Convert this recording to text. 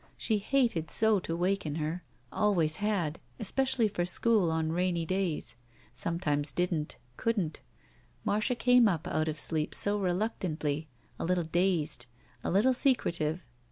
She hated so to waken her. Always had. Especially for school on rainy days. Sometimes didn't. Couldn't. Marda came up out of sleep so rductantly. A little dazed. A little secretive.